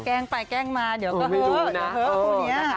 แกล้งไปแกล้งมาเดี๋ยวก็เฮ้อคุณเนี่ย